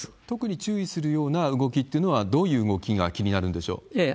特に注意するような動きっていうのは、どういう動きが気になるんでしょう？